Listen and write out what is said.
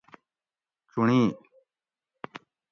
چُنڑیل: